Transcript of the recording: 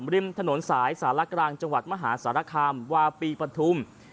ริมถนนสายสารกลางจังหวัดมหาสารคามวาปีปฐุม